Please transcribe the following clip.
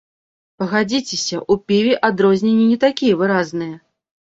Пагадзіцеся, у піве адрозненні не такія выразныя.